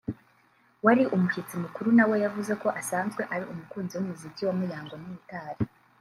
wari umushyitsi mukuru nawe yavuze ko asanzwe ari umukunzi w’umuziki wa Muyango n’Imitali